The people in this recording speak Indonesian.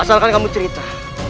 asalkan kamu cerita